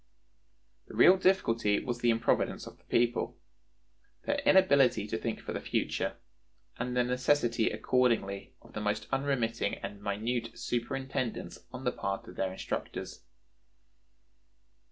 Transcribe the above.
The real difficulty was the improvidence of the people; their inability to think for the future; and the necessity accordingly of the most unremitting and minute superintendence on the part of their instructors.